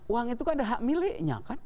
uang itu kan ada hak miliknya kan